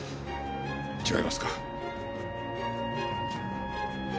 違いますか？